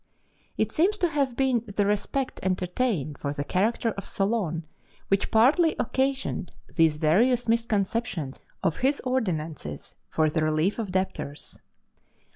It seems to have been the respect entertained for the character of Solon which partly occasioned these various misconceptions of his ordinances for the relief of debtors.